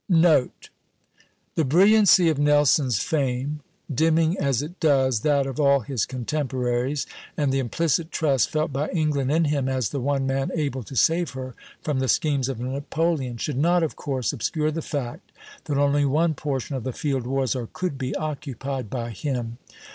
NOTE. The brilliancy of Nelson's fame, dimming as it does that of all his contemporaries, and the implicit trust felt by England in him as the one man able to save her from the schemes of Napoleon, should not of course obscure the fact that only one portion of the field was, or could be, occupied by him.